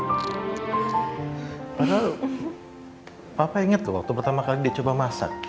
padahal papa inget tuh waktu pertama kali dia coba masak